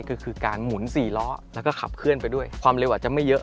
ก็คือการหมุน๔ล้อแล้วก็ขับเคลื่อนไปด้วยความเร็วอาจจะไม่เยอะ